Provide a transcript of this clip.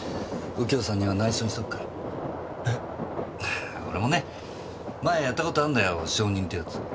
右京さんには内緒にしとくから。え？俺もね前やった事あんだよ証人ってやつ。